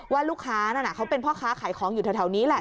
ว่าลูกค้านั่นเขาเป็นพ่อค้าขายของอยู่แถวนี้แหละ